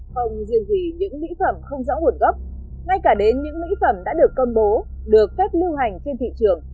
không riêng gì những mỹ phẩm không rõ nguồn gốc ngay cả đến những mỹ phẩm đã được công bố được phép lưu hành trên thị trường